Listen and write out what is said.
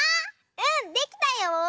うんできたよ！